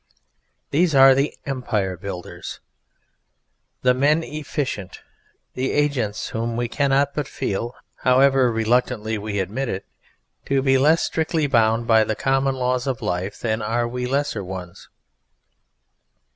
These are the Empire Builders, the Men Efficient, the agents whom we cannot but feel however reluctantly we admit it to be less strictly bound by the common laws of life than are we lesser ones.